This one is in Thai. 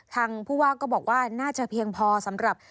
ทางผู้ว่าก็บอกว่าน่าจะเพียงพอสำหรับ